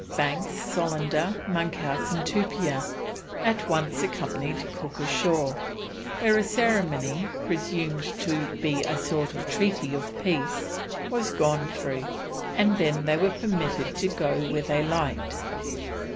Banks, Solander, Monkhouse, and Tupia at once accompanied Cook ashore, where a ceremony, presumed to be a sort of treaty of peace, was gone through, and then they were permitted to go where they liked.